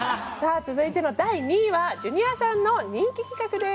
続いての第２位はジュニアさんの人気企画です